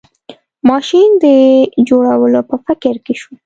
ماشین د جوړولو په فکر کې شو.